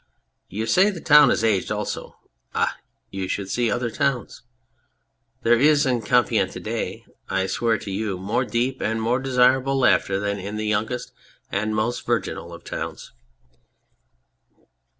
... You say the town has aged also. Ah ! You should see other towns ! There is in Compiegne to day, I swear to you, more deep and more desirable laughter than in the youngest and most virginal of towns